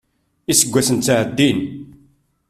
Iseggasen ttɛeddin.